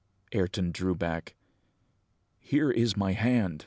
Ayrton drew back. "Here is my hand!"